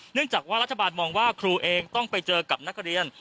จากว่ารัฐบาลมองว่าครูเองต้องไปเจอกับนักเรียน